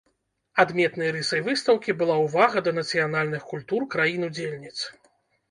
Адметнай рысай выстаўкі была ўвага да нацыянальных культур краін-удзельніц.